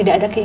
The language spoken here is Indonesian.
gak ada istri